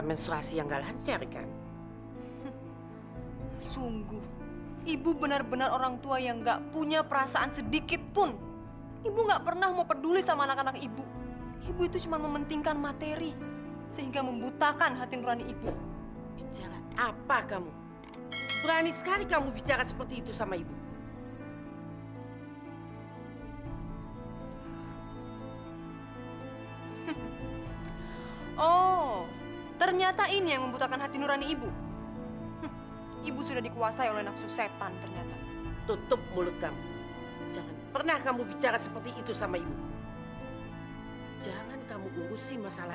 mas saya benar benar mencintai mas